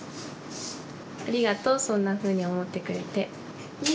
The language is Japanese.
ありがとうそんなふうに思ってくれて。